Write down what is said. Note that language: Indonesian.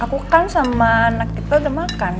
aku kan sama anak kita udah makan